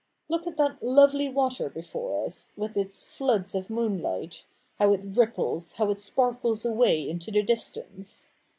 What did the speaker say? Look at that lovely water before us, with its floods of moonlight — how it ripples, how it sparkles away into the distance